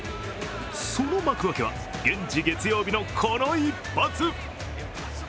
その幕開けは、現地月曜日のこの一発。